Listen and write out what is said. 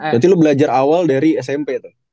jadi lo belajar awal dari smp